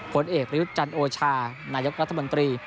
ผลเอกประยุทธ์จันโอชานายกรัฐมนตรี